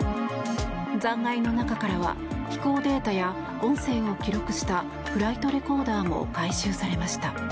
残骸の中からは飛行データや音声を記録したフライトレコーダーも回収されました。